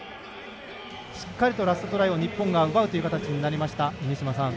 しっかりとラストトライを日本が奪う形になりました。